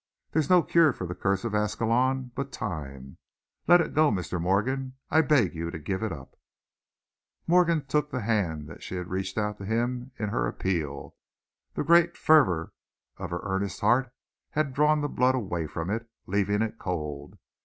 There's no cure for the curse of Ascalon but time. Let it go, Mr. Morgan I beg you to give it up." Morgan took the hand that she reached out to him in her appeal. The great fervor of her earnest heart had drawn the blood away from it, leaving it cold.